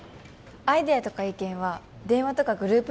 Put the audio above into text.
アイデアとか意見は電話とかグループ